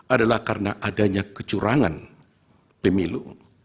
adalah karena adanya kecurangan pemilu